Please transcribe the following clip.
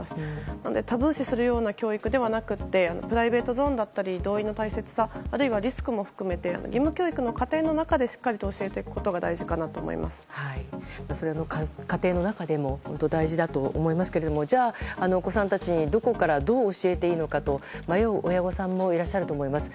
なので、タブー視するような教育ではなくてプライベートゾーンだったり同意の大切さリスクも含め義務教育の過程の中でしっかり教えていくことがそれの過程の中でも本当に大事だと思いますけれどもじゃあ、お子さんたちにどこからどう教えていいのか迷う親御さんもいらっしゃると思います。